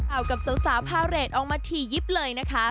เอากับสาวพาเรทออกมาถี่ยิบเลยนะคะ